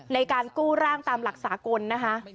ในการกู้ร่างตามหลักสากลนะคะ